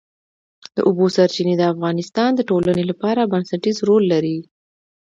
د اوبو سرچینې د افغانستان د ټولنې لپاره بنسټيز رول لري.